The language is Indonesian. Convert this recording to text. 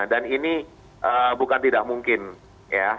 ini bukan tidak mungkin ya